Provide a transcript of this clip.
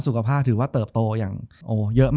จบการโรงแรมจบการโรงแรม